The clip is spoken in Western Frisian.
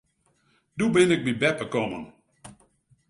Doe bin ik by beppe kommen.